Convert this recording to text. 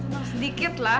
tenang sedikit lah